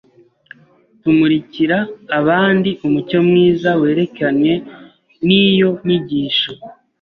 tumurikira abandi umucyo mwiza werekeranye n’iyo nyigisho.